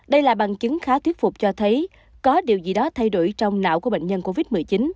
đây là bằng chứng khá thuyết phục cho thấy có điều gì đó thay đổi trong não của bệnh nhân covid một mươi chín